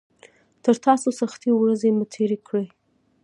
تر تاسو سختې ورځې مې تېرې کړي.